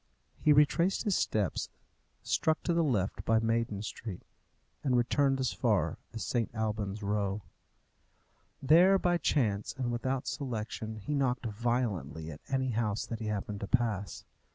He retraced his steps, struck to the left by Maiden Street, and returned as far as St. Alban's Row. There, by chance and without selection, he knocked violently at any house that he happened to pass.